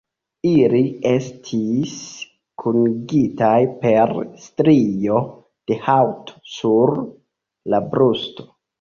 Ili estis kunigitaj per strio de haŭto sur la brusto.